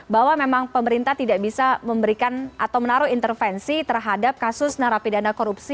bahwa memang pemerintah tidak bisa memberikan atau menaruh intervensi terhadap kasus narapidana korupsi